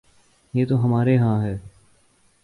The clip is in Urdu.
یہ تو ہمارے ہاں ہے۔